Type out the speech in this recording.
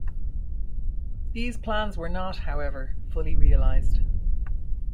These plans were not, however, fully realised.